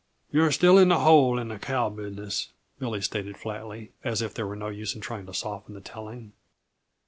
"You're still in the hole on the cow business," Billy stated flatly, as if there were no use in trying to soften the telling.